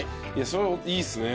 それいいっすね。